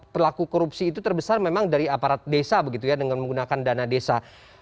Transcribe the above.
pelaku korupsi itu terbesar memang dari aparat desa begitu ya dengan menggunakan dana desa